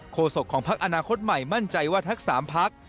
โศกของพักอนาคตใหม่มั่นใจว่าทั้ง๓พัก